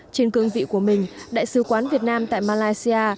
trên cương vị của mình đại sứ quán việt nam tại malaysia